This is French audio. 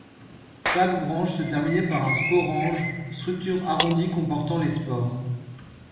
Chaque branche se terminait par un sporange, structure arrondie comportant les spores.